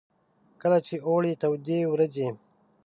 کله چې د اوړې تودې ورځې.